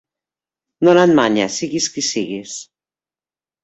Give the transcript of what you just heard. Dona't manya, siguis qui siguis!